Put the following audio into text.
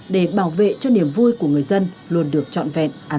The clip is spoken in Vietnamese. để bảo vệ cho niềm vui của người dân luôn được trọn vẹn an toàn